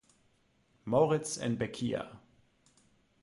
Moritz and Bequia.